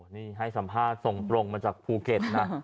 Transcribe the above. นี่ให้สัมภาษณ์ส่งตรงมาจากภูเก็ตนะ